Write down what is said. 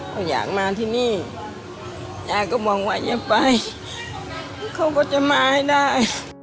เขาอยากมาที่นี่ยายก็มองว่าอย่าไปเขาก็จะมาให้ได้